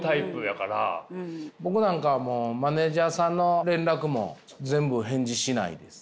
僕なんかもうマネージャーさんの連絡も全部返事しないです。